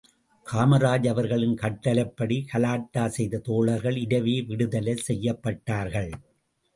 காமராஜ் அவர்களின் கட்டளைப்படி கலாட்டா செய்த தோழர்கள் இரவே விடுதலை செய்யப்பட்டார்கள்.